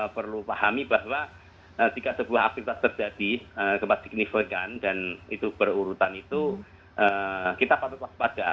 perlu pahami bahwa jika sebuah aktivitas terjadi gempa signifikan dan itu berurutan itu kita patut waspada